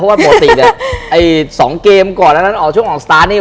เพราะว่าปกติสองเกมก่อนแล้วช่วงออกสตาร์ทเนี่ย